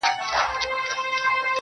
یو اروامست د خرابات په اوج و موج کي ویل.